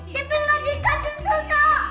cepi gak bisa susah